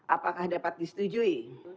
apakah dapat disetujui